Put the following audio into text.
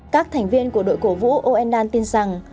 các thành viên của đội cổ vũ oendan tin rằng